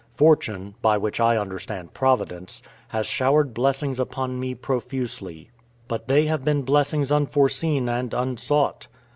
Fortune, by which I understand Providence, has showered blessings upon me profusely. But they have been blessings unforeseen and unsought.